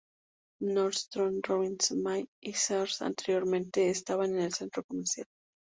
Nordstrom, Robinsons-May y Sears anteriormente estaban en el centro comercial.